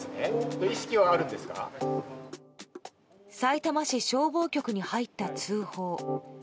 さいたま市消防局に入った通報。